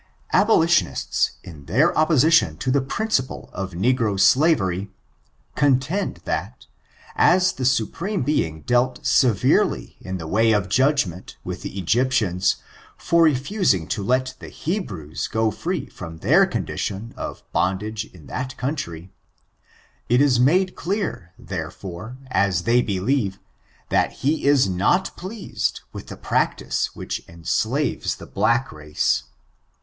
Abolitionists, in their opposition to the principle of negro slavery, contend that, as the Supreme Being dealt severely in the way of judgment, with the Egyptians, for refusing to let the Hebrews go free from their condition of bondage in that country ; it is made clear, therefore, as they beUeve, that he is not pleased with the practice which enslaves the black race.